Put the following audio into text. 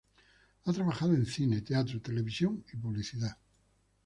Ha trabajado en cine, teatro, televisión y publicidad.